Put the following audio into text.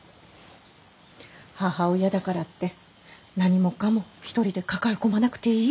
母親だからって何もかも一人で抱え込まなくていい。